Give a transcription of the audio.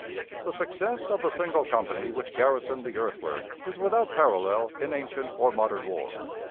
The success of the single company which garrisoned the earthwork is without parallel in ancient or modern war.